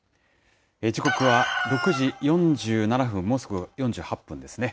時刻は６時４７分、もうすぐ４８分ですね。